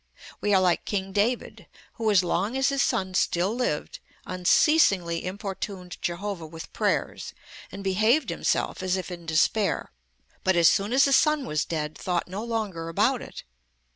We are like King David, who, as long as his son still lived, unceasingly importuned Jehovah with prayers, and behaved himself as if in despair; but as soon as his son was dead, thought no longer about it.